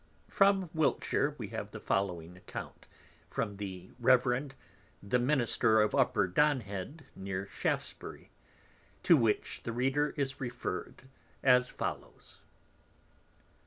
_ From Wiltshire we have the following Account from the Reverend the Minister of Upper Donhead near Shaftsbury; _to which the Reader is referr'd as follows.